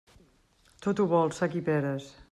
Tot ho vol, sac i peres.